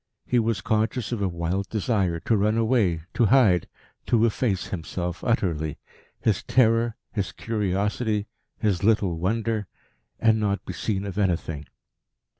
He was conscious of a wild desire to run away, to hide, to efface himself utterly, his terror, his curiosity, his little wonder, and not be seen of anything.